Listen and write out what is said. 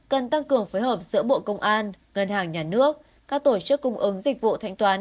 cần tăng cường phối hợp giữa bộ công an ngân hàng nhà nước các tổ chức cung ứng dịch vụ thanh toán